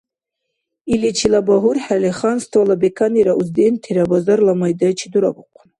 Иличила багьурхӀели, ханствола беканира уздентира базарла майдайчи дурабухъун.